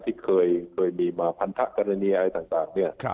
ที่เคยมีมาพันธกรณีอะไรต่างเนี่ย